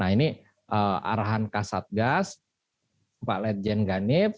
nah ini arahan kasatgas pak lejen ghanif